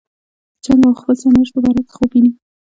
د جنګ او خپل سرنوشت په باره کې خوب ویني.